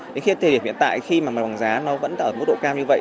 đến khi thời điểm hiện tại khi mà bằng giá nó vẫn ở mức độ cao như vậy